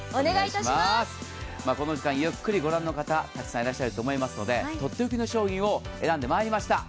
この時間、ゆっくり御覧の方、たくさんいらっしゃると思いますのでとっておきの商品を選んでまいりました。